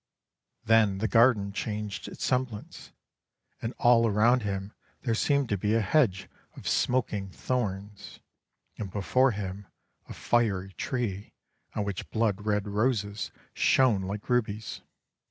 Then the garden changed its semblance, and all around him there seemed to be a hedge of smoking thorns and before him a fiery tree on which blood red roses shone like rubies.